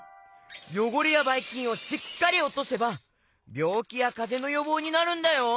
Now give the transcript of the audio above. よごれやバイキンをしっかりおとせばびょうきやかぜのよぼうになるんだよ！